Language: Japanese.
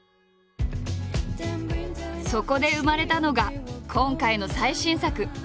そこで生まれたのが今回の最新作。